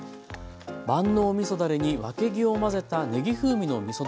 万能みそだれにわけぎを混ぜたねぎ風味のみそ